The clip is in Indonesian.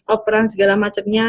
operan segala macemnya